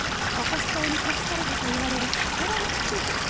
ココス島に隠されたといわれる宝の地図。